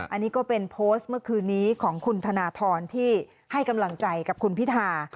อันนี้ก็เป็นโพสต์เมื่อคืนนี้ของคุณธนทรที่ให้กำลังใจกับคุณพิธา